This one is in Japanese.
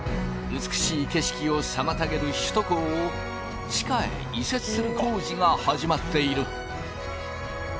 美しい景色を妨げる首都高を地下へ移設する工事が始まっている。